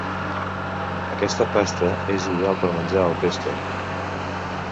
Aquesta pasta és ideal per menjar al pesto.